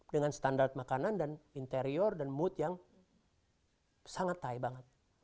dengan standar makanan dan interior dan mood yang sangat thai banget